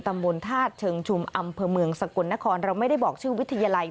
ตำบลธาตุเชิงชุมอำเภอเมืองสกลนครเราไม่ได้บอกชื่อวิทยาลัย